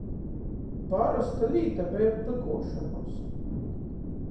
Parosta līta beja pykuošonuos.